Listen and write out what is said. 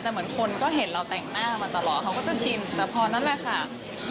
แต่เหมือนคนก็เห็นเราแต่งหน้ามาตลอดเขาก็จะชินแต่พอนั่นแหละค่ะ